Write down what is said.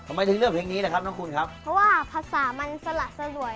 ทำไมถึงเลือกเพลงนี้แหละครับน้องคุณครับเพราะว่าภาษามันสละสลวย